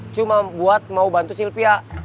cuma buat mau bantu sylvia